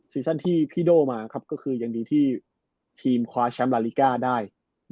ซั่นที่พี่โด่มาก็คือยังดีที่ทีมคว้าแชมป์ลาลิก้าได้